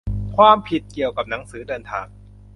ความผิดเกี่ยวกับหนังสือเดินทาง